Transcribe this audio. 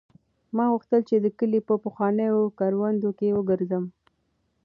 ما غوښتل چې د کلي په پخوانیو کروندو کې وګرځم.